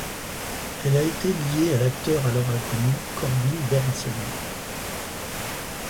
Elle a été liée à l'acteur alors inconnu Corbin Bernsen.